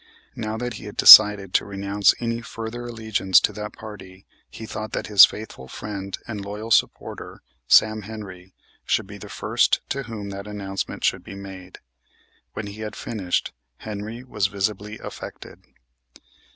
Now that he had decided to renounce any further allegiance to that party he thought that his faithful friend and loyal supporter, Sam Henry, should be the first to whom that announcement should be made. When he had finished Henry was visibly affected.